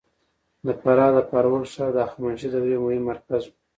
د فراه د فارول ښار د هخامنشي دورې مهم مرکز و